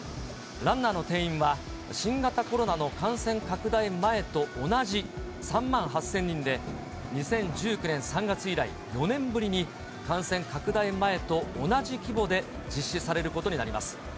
ランナーの定員は新型コロナの感染拡大前と同じ３万８０００人で、２０１９年３月以来、４年ぶりに感染拡大前と同じ規模で実施されることになります。